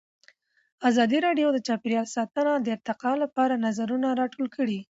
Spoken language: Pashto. ازادي راډیو د چاپیریال ساتنه د ارتقا لپاره نظرونه راټول کړي.